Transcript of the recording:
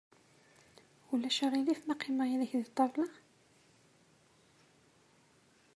Ulac aɣilif ma qqimeɣ yid-k deg ṭabla?